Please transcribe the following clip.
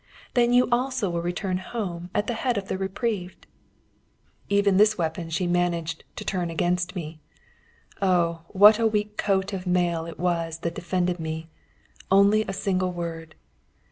Then you also will return home at the head of the reprieved." Even this weapon she managed to turn against me! Oh, what a weak coat of mail it was that defended me only a single word!